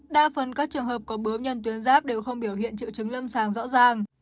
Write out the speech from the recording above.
đa phần các trường hợp có bướu nhân tuyến giáp đều không biểu hiện triệu chứng lâm sàng rõ ràng